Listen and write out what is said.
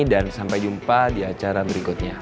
dan sampai jumpa di acara berikutnya